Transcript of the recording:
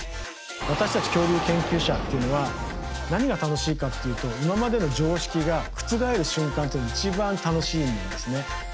私たち恐竜研究者っていうのは何が楽しいかっていうと今までの常識が覆る瞬間っていうのが一番楽しいんですね。